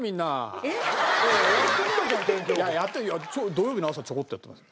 土曜日の朝ちょこっとやってます。